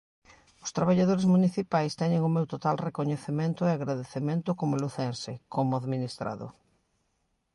Os traballadores municipais teñen o meu total recoñecemento e agradecemento como lucense, como administrado.